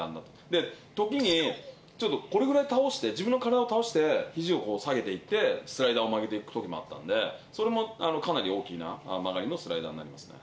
で、時にちょっとこれぐらい倒して、自分の体を倒してひじを下げていって、スライダーを曲げていくときもあったんで、それもかなり大きな曲がりのスライダーになりますね。